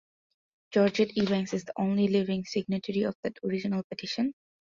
Georgette Ebanks is the only living signatory of that original petition.